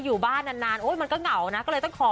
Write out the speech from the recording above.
อยู่บ้านนานโอ้ยมันก็เหงานะ